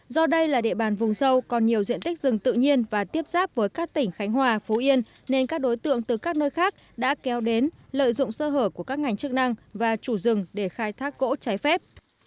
do đây là địa bàn vùng sâu còn nhiều diện tích rừng tự nhiên và tiếp giáp với các tỉnh khánh hòa phú yên nên các đối tượng từ các nơi khác đã kéo đến lợi dụng sơ hở của các ngành chức năng và chủ rừng để khai thác gỗ trái phép